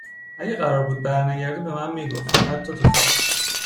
اگه قرار بود برنگرده به من میگفت حتی تو خواب